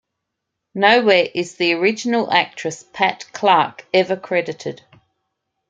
Nowhere is the original actress, Pat Clark, ever credited.